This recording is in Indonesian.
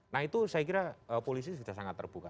nah itu saya kira polisi sudah sangat terbuka